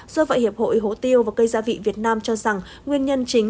do vậy hiệp hội hố tiêu và cây gia vị việt nam cho rằng nguyên nhân chính